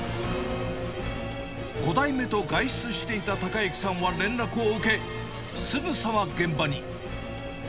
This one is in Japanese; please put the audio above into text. ５代目と外出していた孝之さんは連絡を受け、すぐさま現場に。